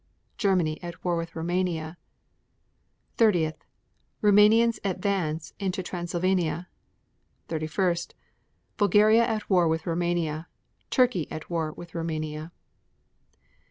28. Germany at war with Roumania. 30. Roumanians advance into Transylvania. 31. Bulgaria at war with Roumania. Turkey at war with Roumania.